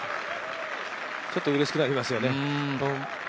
ちょっとうれしくなりますよね。